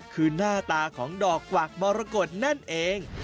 คือหน้าตาของดอกกวักมรกฏนั่นเอง